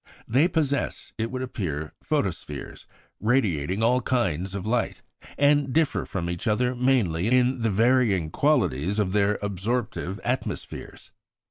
They possess, it would appear, photospheres radiating all kinds of light, and differ from each other mainly in the varying qualities of their absorptive atmospheres.